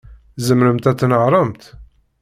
Tzemremt ad tnehṛemt?